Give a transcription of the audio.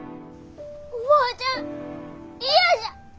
おばあちゃん嫌じゃ！